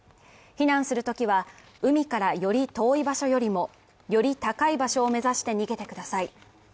避難するときは、海からより遠い場所よりもより高い場所を目指して逃げてください。